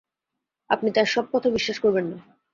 আপনি তার সব কথা বিশ্বাস করবেন না।